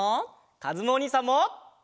かずむおにいさんも！